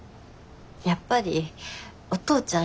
やっぱりお父ちゃん